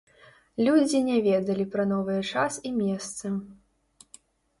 Людзі не ведалі пра новыя час і месца.